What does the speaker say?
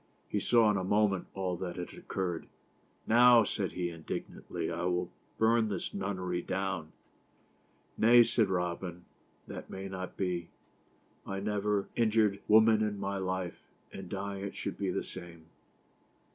He saw in a moment all that had occurred. " Now," said he, indignantly, " I will burn this nunnery down." " Nay," said Robin, "that may not be. I never injured woman in my life, and dying it should be the same."